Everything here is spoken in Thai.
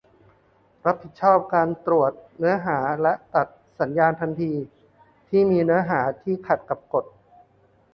รับผิดชอบการตรวจสอบเนื้อหาและตัดสัญญาณทันทีที่มีเนื้อหาที่ขัดกับกฎ